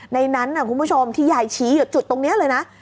ในนั้นคุณผู้ชมที่ยายชี้อยู่จุดตรงนี้เลยนะ